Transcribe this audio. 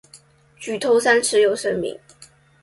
举头三尺有神明。